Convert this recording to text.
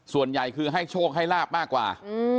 ส่วนใหญ่คือให้โชคให้ลาบมากกว่า